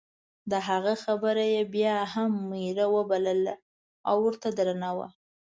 د هغه خبره یې بیا هم میره وبلله او ورته درنه وه.